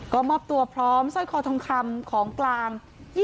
ก็มอบตัวพร้อมสร้อยคอทองคำของกลาง